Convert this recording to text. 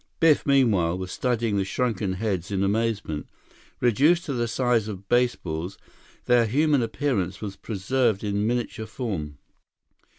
Biff, meanwhile, was studying the shrunken heads in amazement. Reduced to the size of baseballs, their human appearance was preserved in miniature form.